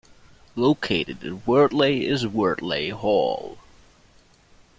Located in Wortley is Wortley Hall.